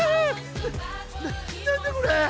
なな何だこれ！